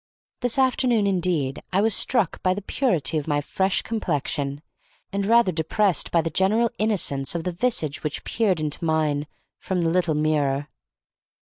This afternoon, indeed, I was struck by the purity of my fresh complexion, and rather depressed by the general innocence of the visage which peered into mine from the little mirror.